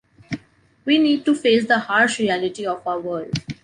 We need to face the harsh reality of our world.